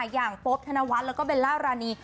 อย่างป๊บถนวัฒน์แล้วก็เบนลลารานี